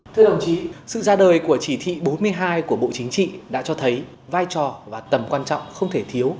thưa đồng chí sự ra đời của chỉ thị bốn mươi hai của bộ chính trị đã cho thấy vai trò và tầm quan trọng không thể thiếu